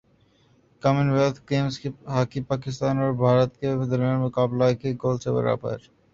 common wealth games hockey Pakistan اور بھارت کے درمیان مقابلہ ایک ایک گول سے برابر